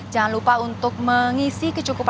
jangan lupa untuk mengisi kecukupan saldo kartu elektronik